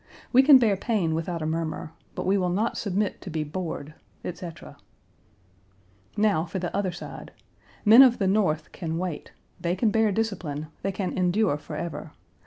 We can bear pain without a murmur, but we will not submit to be bored, etc. Now, for the other side. Men of the North can wait; they can bear discipline; they can endure forever.